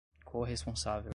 corresponsável